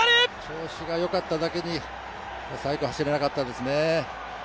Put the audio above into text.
調子がよかっただけに、最後走れなかったですね。